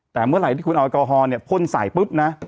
แต่เมื่อไหร่ที่คุณเอาแอลกอฮอล์เนี่ยพ่นใส่ปุ๊บนะ